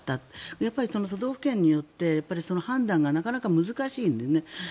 やっぱり都道府県によって判断がなかなか難しい。